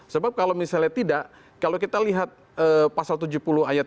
sebab kalau misalnya tidak kalau kita lihat pasal tujuh puluh ayat tiga